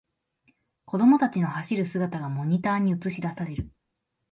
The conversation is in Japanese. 子供たちの走る姿がモニターに映しだされる